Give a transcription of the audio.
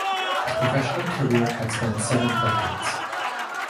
His professional career has spanned seven decades.